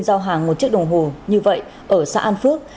giao hàng một chiếc đồng hồ như vậy ở xã an phước